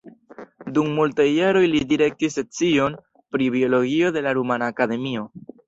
Dum multaj jaroj li direktis sekcion pri biologio de la Rumana Akademio.